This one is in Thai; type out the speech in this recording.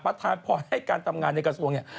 ทานพรให้การทำงานในกระทรวงเนี่ย